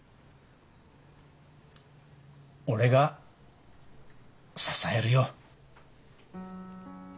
俺が支えるよ。